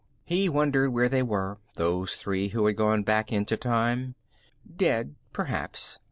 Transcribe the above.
He wondered where they were, those three who had gone back into time. Dead, perhaps.